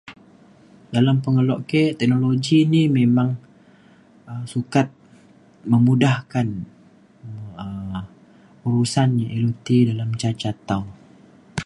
dalem pengelo ke teknologi ni memang um sukat memudahkan um urusan yak ilu ti dalem ca ca tau